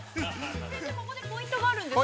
◆先生、ここでポイントがあるんですよね。